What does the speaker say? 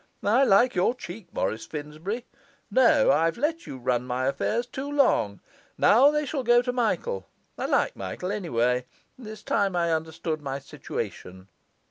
I like your cheek, Morris Finsbury. No, I've let you run my affairs too long; now they shall go to Michael. I like Michael, anyway; and it's time I understood my situation.